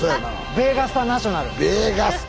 ベーガスタ・ナショナル。